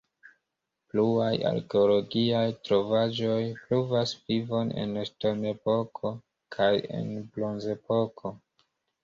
Pluaj arkeologiaj trovaĵoj pruvas vivon en ŝtonepoko kaj en bronzepoko.